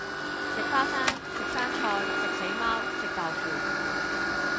食花生，食生菜，食死貓，食豆腐